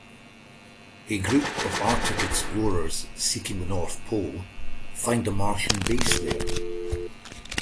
A group of Arctic explorers seeking the North Pole find a Martian base there.